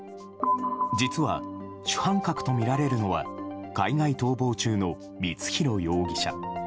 実は主犯格とみられるのは海外逃亡中の光弘容疑者。